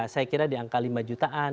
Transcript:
saya kira di angka lima jutaan